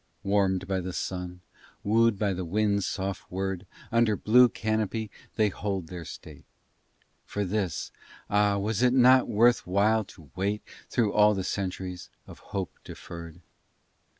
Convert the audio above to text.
Warmed by the sun, wooed by the wind's soft word, Under blue canopy they hold their state: For this, ah, was it not worth while to wait Through all the centuries of hope deferred?